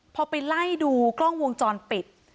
พอไปไล่ดูกล้องวงจรปิด